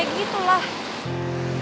gak kayak gitu lah